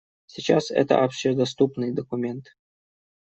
Сейчас это общедоступный документ.